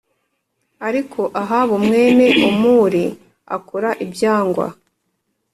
Ariko Ahabu mwene Omuri akora ibyangwa